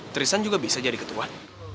tristan juga bisa jadi ketuan